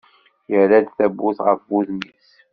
Yerra-d tawwurt ɣef wudem-is.